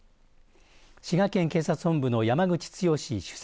滋賀県警察本部の山口剛首席